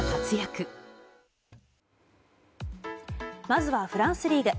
まずはフランスリーグ。